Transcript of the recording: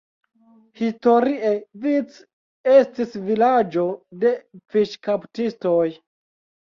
Historie Vic estis vilaĝo de fiŝkaptistoj.